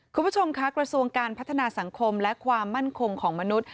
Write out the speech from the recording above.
คุณผู้ชมค่ะกระทรวงการพัฒนาสังคมและความมั่นคงของมนุษย